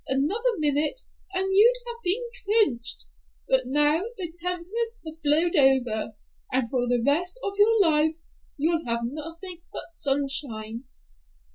Another minute and you'd have been clinched, but now the tempest has blowed over, and for the rest of your life you'll have nothing but sunshine."